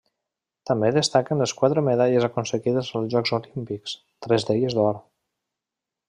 També destaquen les quatre medalles aconseguides als Jocs Olímpics, tres d'elles d'or.